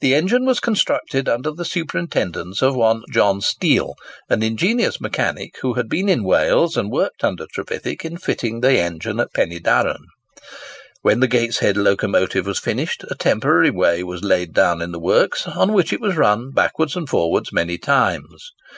The engine was constructed under the superintendence of one John Steele, an ingenious mechanic who had been in Wales, and worked under Trevithick in fitting the engine at Pen y darran. When the Gateshead locomotive was finished, a temporary way was laid down in the works, on which it was run backwards and forwards many times.